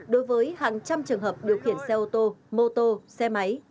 đối với hàng trăm trường hợp điều khiển xe ô tô mô tô xe máy